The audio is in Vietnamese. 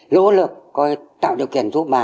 lỗ lực tạo điều kiện giúp bà